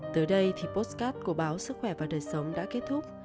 tới đây thì postcat của báo sức khỏe và đời sống đã kết thúc